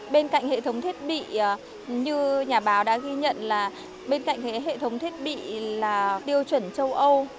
bên cạnh hệ thống thiết bị như nhà báo đã ghi nhận là bên cạnh hệ thống thiết bị là tiêu chuẩn châu âu